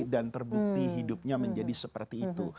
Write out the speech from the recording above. terbukti hidupnya menjadi seperti itu